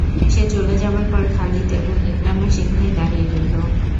সে চলে যাবার পর খালিদ এবং ইকরামা সেখানেই দাঁড়িয়ে রইল।